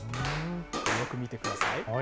よく見てください。